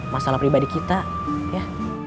masalah pribadi kita ya